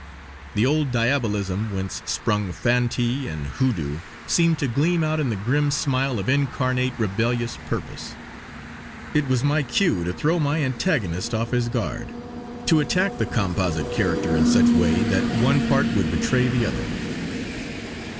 The old diabolism whence sprung fantee and hoo doo seemed to gleam out in the grim smile of incarnate, rebellious purpose. It was my cue to throw my antagonist off his guard; to attack the composite character in such way that one part would betray the other.